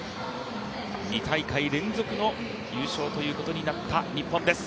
２大会連続の優勝ということになった日本です。